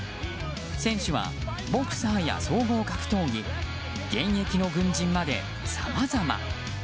選手は、ボクサーや総合格闘技現役の軍人まで、さまざま。